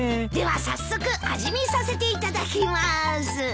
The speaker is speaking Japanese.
では早速味見させていただきまーす。